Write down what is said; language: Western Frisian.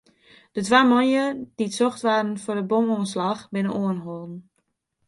De twa manlju dy't socht waarden foar de bomoanslach, binne oanholden.